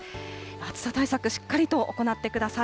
暑さ対策、しっかりと行ってください。